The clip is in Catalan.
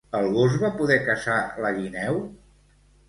El gos va poder caçar la guineu?